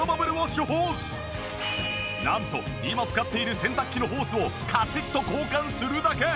なんと今使っている洗濯機のホースをカチッと交換するだけ。